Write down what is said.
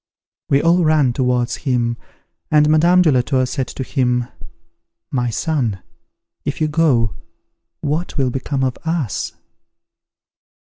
We all ran towards him; and Madame de la Tour said to him, "My son, if you go, what will become of us?"